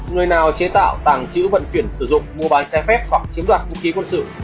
người nào chế tạo tàng trữ vận chuyển sử dụng mua bán trái phép hoặc chiếm đoạt vũ khí quân sự